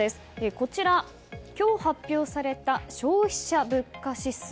こちら、今日発表された消費者物価指数。